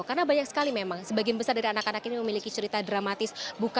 karena banyak sekali memang sebagian besar dari anak anak ini memiliki cerita dramatis